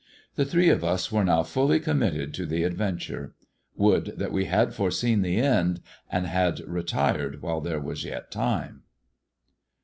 The three of us were now fully committed to the adventure. Would that we had foreseen the end, and had retired while there was yet time